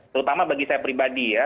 terutama bagi saya pribadi ya